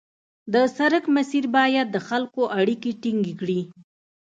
د سړک مسیر باید د خلکو اړیکې ټینګې کړي